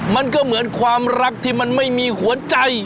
มันก็เหมือนความรักที่มันไม่มีหัวใจ